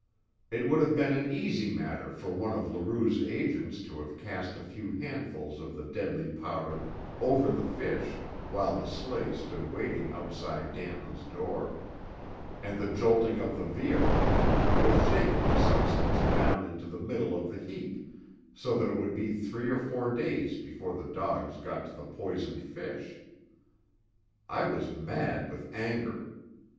It would have been an easy matter for one of Leroux's agents to have cast a few handfuls of the deadly powder over the fish while the sleigh stood waiting outside Danton's door, and the jolting of the vehicle would have shaken the substance down into the middle of the heap, so that it would be three or four days before the dogs got to the poisoned fish. I was mad with anger.